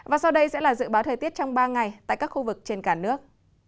và sau đây sẽ là dự báo thời tiết trong ba ngày tại các khu vực trên cả nước